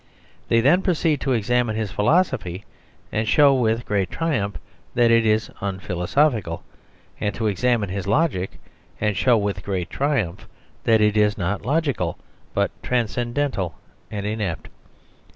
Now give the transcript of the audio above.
They then proceed to examine his philosophy, and show with great triumph that it is unphilosophical, and to examine his logic and show with great triumph that it is not logical, but "transcendental and inept."